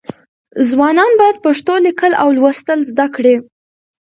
ځوانان باید پښتو لیکل او لوستل زده کړي.